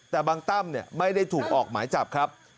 แต่บางตั้มไม่ได้ถูกออกหมายจับครับ